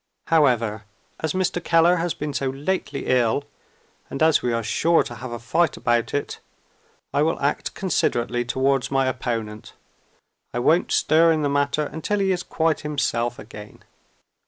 However, as Mr. Keller has been so lately ill, and as we are sure to have a fight about it, I will act considerately towards my opponent I won't stir in the matter until he is quite himself again.